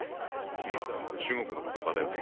うん中国の言葉だよね。